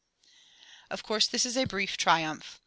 [51:1] Of course this is a brief triumph.